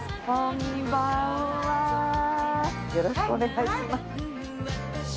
よろしくお願いします。